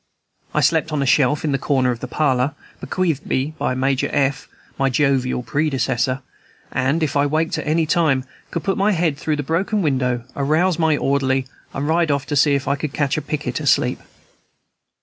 I slept on a shelf in the corner of the parlor, bequeathed me by Major F., my jovial predecessor, and, if I waked at any time, could put my head through the broken window, arouse my orderly, and ride off to see if I could catch a picket asleep.